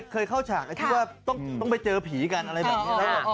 เคยเข้าฉากไอ้ที่ว่าต้องไปเจอผีกันอะไรแบบนี้แล้ว